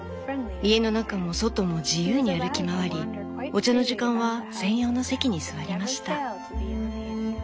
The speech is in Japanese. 家の中も外も自由に歩き回りお茶の時間は専用の席に座りました」。